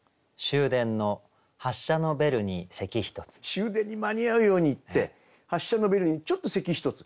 終電に間に合うように行って発車のベルにちょっと咳一つ。